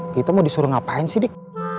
kita mau disuruh ngapain sih dik